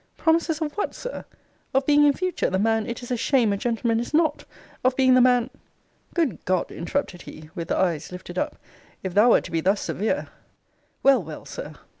Promises of what, Sir? Of being in future the man it is a shame a gentleman is not? Of being the man Good God! interrupted he, with eyes lifted up, if thou wert to be thus severe Well, well, Sir!